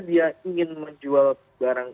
dia ingin menjual barang